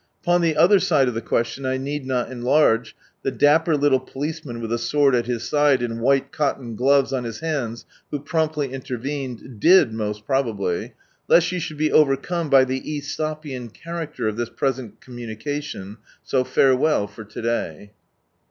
Upon the oilier side of the question I need not enlarge (the dapper little police man, with a sword at his side, and white cotton gloves on his hands, who promptly intervened, did most probabi) ) lest jou should be overcome by the ^sopian character of this pre sent communication, so farewell lor to day.